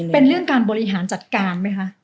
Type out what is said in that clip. เป็นเรื่องการบริหารจัดการไหมคะ